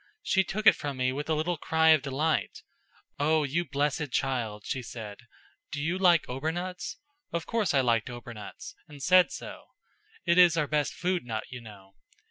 She took it from me with a little cry of delight. 'Oh, you blessed child,' she said. 'Do you like obernuts?' Of course I liked obernuts, and said so. It is our best food nut, you know.